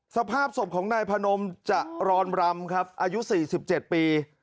สภาพศพของนายพนมจะรอนบรรมครับอายุสี่สิบเจ็ดปี